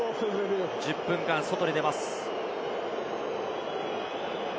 １０分間、外に出ます。